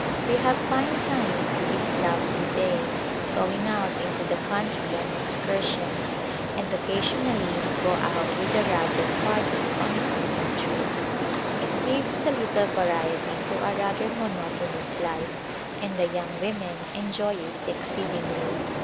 We have fine times these lovely days going out into the country on excur sions, and occasionally we go out with the Rajah's party on a hunting trip. It gives a little variety to our rather monotonous life, and the young women enjoy it exceedingly.